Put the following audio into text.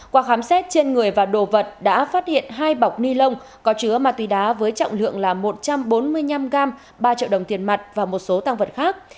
qua khám xét trên người và đồ vật đã phát hiện hai bọc ni lông có chứa ma túy đá với trọng lượng là một trăm bốn mươi năm g ba triệu đồng tiền mặt và một số tăng vật khác